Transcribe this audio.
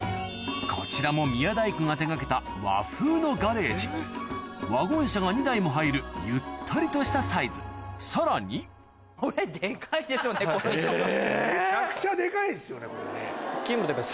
こちらも宮大工が手掛けた和風のワゴン車が２台も入るゆったりとしたサイズさらにめちゃくちゃデカいですよねこれね。